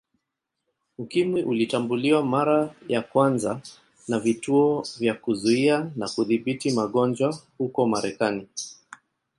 Ukimwi ulitambuliwa mara ya kwanza na Vituo vya Kuzuia na Kudhibiti Magonjwa huko Marekani